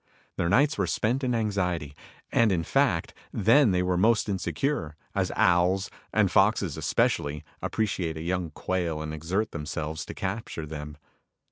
Their nights were spent in anxiety, and, in fact, then they were most insecure, as owls, and foxes especially, appreciate a young quail and exert themselves to capture them.